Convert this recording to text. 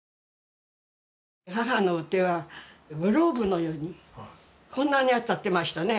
母の手はグローブのように、こんなになってましたね。